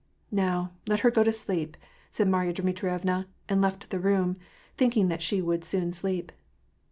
" Now, let her go to sleep," said Marya Dmitrievna, and left the room, thinking that she would soon sleep.